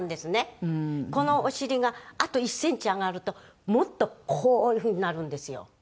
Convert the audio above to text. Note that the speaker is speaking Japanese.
このお尻があと１センチ上がるともっとこういう風になるんですよ。